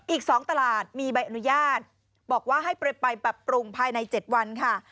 อีก๒ตลาดมีใบอนุญาตบอกว่าให้ไปปรับปรุงภายใน๗วันค่ะ